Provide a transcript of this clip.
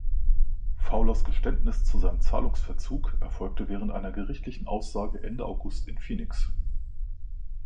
Fowlers Geständnis zu seinem Zahlungsverzug erfolgte während einer gerichtlichen Aussage Ende August in Phoenix.